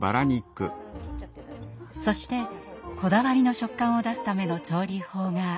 そしてこだわりの食感を出すための調理法が。